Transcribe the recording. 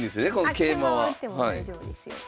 桂馬は打っても大丈夫ですよ。